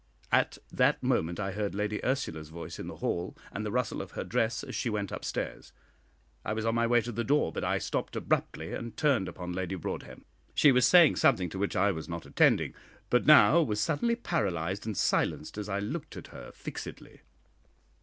At that moment I heard Lady Ursula's voice in the hall, and the rustle of her dress as she went up stairs. I was on my way to the door, but I stopped abruptly, and turned upon Lady Broadhem. She was saying something to which I was not attending, but now was suddenly paralysed and silenced as I looked at her fixedly.